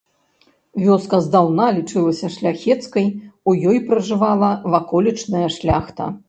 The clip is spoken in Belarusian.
Вёска здаўна лічылася шляхецкай, у ёй пражывала ваколічная шляхта.